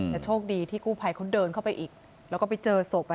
แต่โชคดีที่กู้ภัยเขาเดินเข้าไปอีกแล้วก็ไปเจอศพ